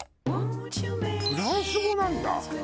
フランス語なんだ。